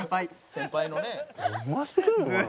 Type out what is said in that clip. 「先輩のね」